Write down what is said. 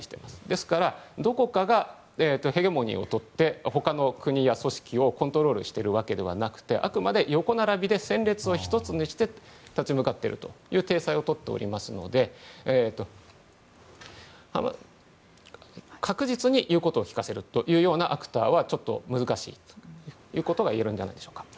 ですからどこかがヘゲモニーを取って他の国や組織をコントロールしてるわけではなくあくまで横並びで戦列を１つにして立ち向かっているという体裁をとっていますので確実に言うことをきかせるというようなアクターはちょっと難しいということがいえるのではないでしょうか。